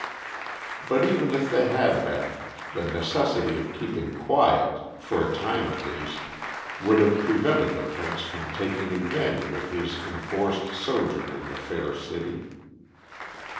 But even if they had been, the necessity of keeping quiet, for a time at least, would have prevented the Prince from taking advantage of his enforced sojourn in the fair city.